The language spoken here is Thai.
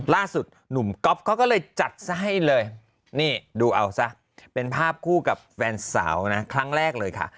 ล่าสุดหนุ่มก๊อฟเขาก็เลยจัดซะให้เลยนี่ดูเอาซะเป็นภาพคู่กับแฟนสาวนะครั้งแรกเลยค่ะ